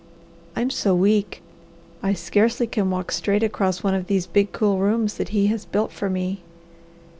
I'm so weak, I scarcely can walk straight across one of these big, cool rooms that he has built for me.